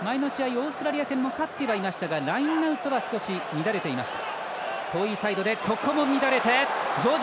オーストラリア戦も勝ってはいましたがラインアウトは少し乱れていました。